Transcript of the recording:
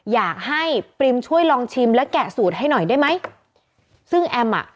อยากให้ปริมช่วยลองชิมและแกะสูตรให้หน่อยได้ไหมซึ่งแอมอ่ะ